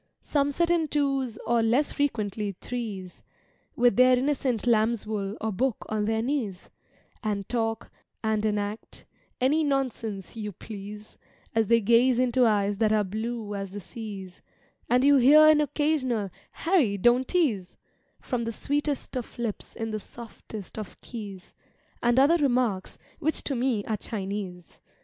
Some sit in twos or (less frequently) threes, With their innocent lambswool or book on their knees, And talk, and enact, any nonsense you please, As they gaze into eyes that are blue as the seas; And you hear an occasional "Harry, don't tease" From the sweetest of lips in the softest of keys, And other remarks, which to me are Chinese.